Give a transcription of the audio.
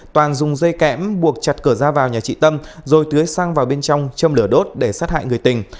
toàn dùng dây kẽm buộc chặt cửa ra vào nhà chị tâm rồi tưới sang vào bên trong châm lửa đốt để sát hại người tình